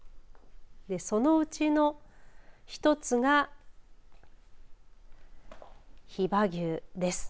そのうちの１つが比婆牛です。